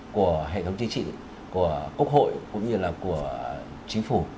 của hệ thống chính trị của quốc hội cũng như là của chính phủ